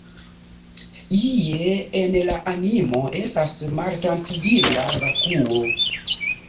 Ie en la animo estas maltrankvila vakuo.